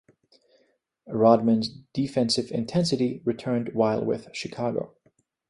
Rodman's defensive intensity returned while with Chicago.